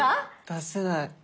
出せない。